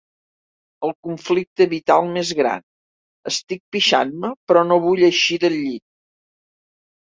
El conflicte vital més gran: estic pixant-me, però no vull eixir del llit.